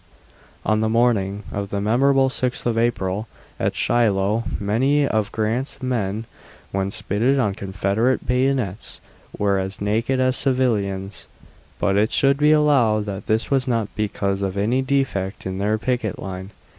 On the morning of the memorable 6th of April, at Shiloh, many of Grant's men when spitted on Confederate bayonets were as naked as civilians; but it should be allowed that this was not because of any defect in their picket line.